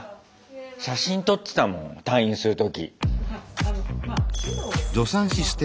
写真撮ってたもん退院する時。